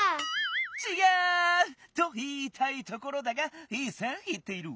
ちがう！といいたいところだがいいせんいっている。